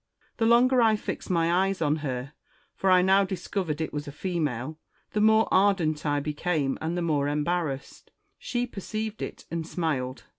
The longer I fixed my eyes on her — for I now discovered it was a female — the more ardent I became and the more embarrassed. She perceived it, and smiled.